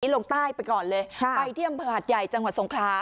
ลงใต้ไปก่อนเลยไปที่อำเภอหาดใหญ่จังหวัดสงครา